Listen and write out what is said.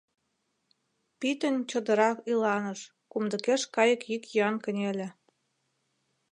Пӱтынь чодыра иланыш, кумдыкеш кайык йӱк-йӱан кынеле.